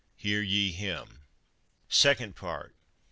Hear ye Him. second part.